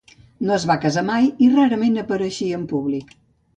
No es va casar mai i rarament apareixia en públic.